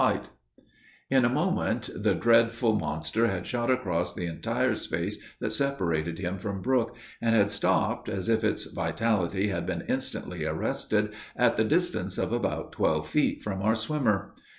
[Illustration: ESCAPE FROM A SHARK] In a moment, the dreadful monster had shot across the entire space that separated him from Brook; and had stopped, as if its vitality had been, instantly arrested, at the distance of about twelve feet from our swimmer.